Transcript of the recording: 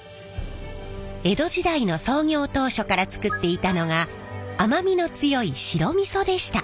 江戸時代の創業当初からつくっていたのが甘みの強い白味噌でした。